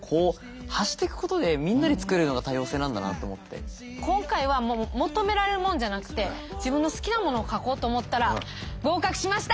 そうじゃなくて今回は求められるものじゃなくて自分の好きなものを書こうと思ったら合格しました！